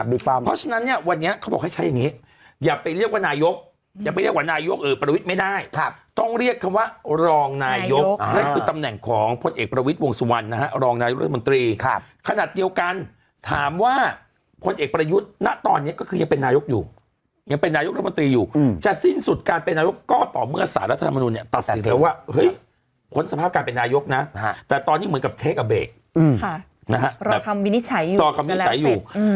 เพราะฉะนั้นเนี่ยวันเนี้ยเขาบอกให้ใช้อย่างงี้อย่าไปเรียกว่านายกอย่าไปเรียกว่านายกเออประวิศไม่ได้ครับต้องเรียกคำว่ารองนายกนั่นคือตำแหน่งของคนเอกประวิศวงศ์สุวรรณนะฮะรองนายกรัฐมนตรีครับขนาดเดียวกันถามว่าคนเอกประวิศณะตอนเนี้ยก็คือยังเป็นนายกอยู่ยังเป็นนายกรัฐมนตรีอยู่อืมจากสิ้นสุ